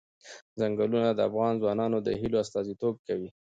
ځنګلونه د افغان ځوانانو د هیلو استازیتوب کوي.